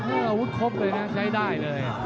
นี่อาวุธครบเลยนะใช้ได้เลย